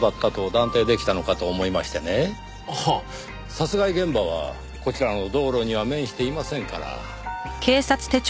殺害現場はこちらの道路には面していませんから。